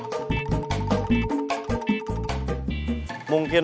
aku mau pergi ke panggilan